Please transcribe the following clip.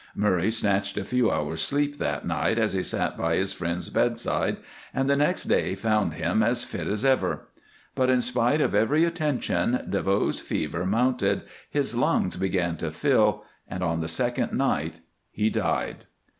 Murray snatched a few hours' sleep that night as he sat by his friend's bedside and the next day found him as fit as ever. But in spite of every attention DeVoe's fever mounted, his lungs began to fill, and on the second night he died.